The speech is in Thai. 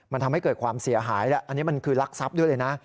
มันทำให้เกิดความเสียหายอันนี้มันคือรักษัพดูด้วยนะ